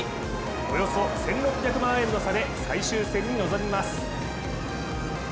およそ１６００万円の差で最終戦に臨みます。